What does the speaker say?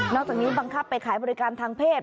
จากนี้บังคับไปขายบริการทางเพศ